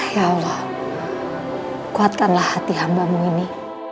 ya allah kuatkanlah hati hambamu ini